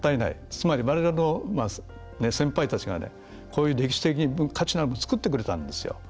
つまり、われわれの先輩たちがこういう歴史的価値を作ってくれたんですよ。